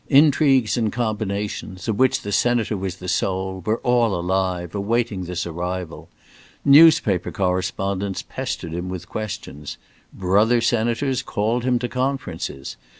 Intrigues and combinations, of which the Senator was the soul, were all alive, awaiting this arrival. Newspaper correspondents pestered him with questions. Brother senators called him to conferences.